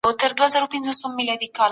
د کثافاتو مدیریت څنګه کیږي؟